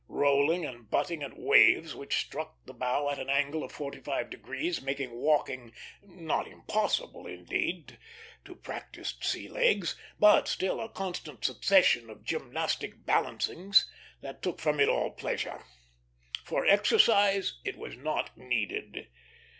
Rolling and butting at waves which struck the bow at an angle of forty five degrees made walking, not impossible, indeed, to practised sea legs, but still a constant succession of gymnastic balancings that took from it all pleasure. For exercise it was not needed.